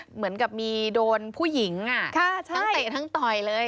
เหมือนกับมีโดนผู้หญิงทั้งเตะทั้งต่อยเลย